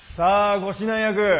ご指南役！